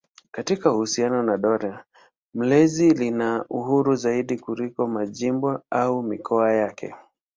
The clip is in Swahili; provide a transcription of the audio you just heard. Katika uhusiano na dola mlezi lina uhuru zaidi kuliko majimbo au mikoa yake.